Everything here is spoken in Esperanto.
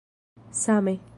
same